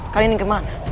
kalian ini kemana